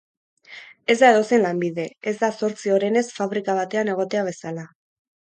Ez da edozein lanbide, ez da zortzi orenez fabrika batean egotea bezala.